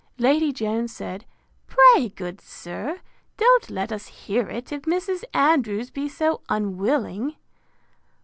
Lady Jones said, Pray, good sir, don't let us hear it, if Mrs. Andrews be so unwilling.